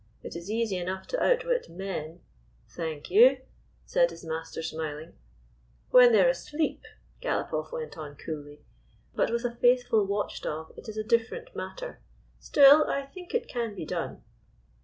It is easy enough to outwit men —"" Thank you," said his master, smiling. " When they 're asleep," Galopoff went on very coolly. " But with a faithful watchdog it is a different matter. Still, I think it can be done."